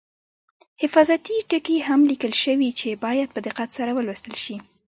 حفاظتي ټکي هم لیکل شوي چې باید په دقت سره ولوستل شي.